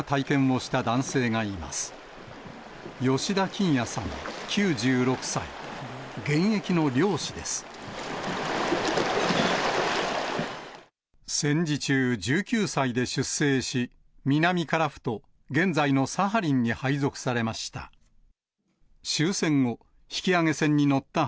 戦時中、１９歳で出征し、南樺太、現在のサハリンに配属されました。